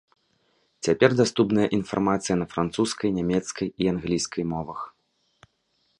Цяпер даступная інфармацыя на французскай, нямецкай і англійскай мовах.